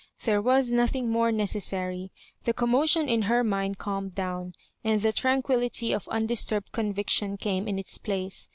There was nothing more neces sary ; the commotion in her mind calmed down, and the tranquillity of undisturbed conviction came in its place.